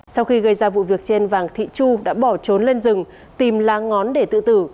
sau khi gây ra vụ việc trên vàng thị chu đã bỏ trốn lên rừng tìm lá ngón để tự tử